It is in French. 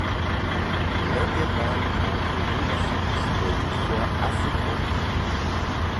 L'intervalle entre deux naissances est toutefois assez grand.